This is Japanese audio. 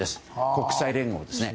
国際連合ですね。